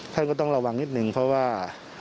ท่านก็ต้องระวังนิดนึงเพราะว่า